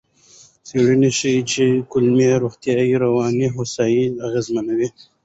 څېړنه ښيي چې کولمو روغتیا رواني هوساینه اغېزمنوي.